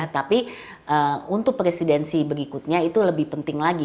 tapi untuk presidensi berikutnya itu lebih penting lagi